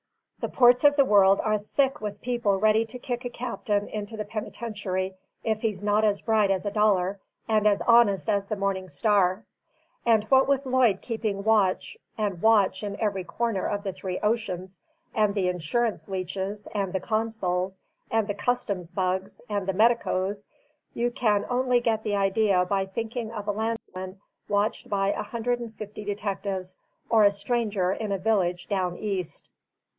The ports of the world are thick with people ready to kick a captain into the penitentiary if he's not as bright as a dollar and as honest as the morning star; and what with Lloyd keeping watch and watch in every corner of the three oceans, and the insurance leeches, and the consuls, and the customs bugs, and the medicos, you can only get the idea by thinking of a landsman watched by a hundred and fifty detectives, or a stranger in a village Down East."